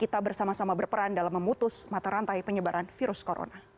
terima kasih bapak